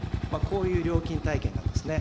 こういう料金体系なんですね。